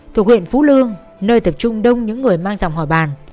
thuộc huyện phú lương nơi tập trung đông những người mang dòng hòa bàn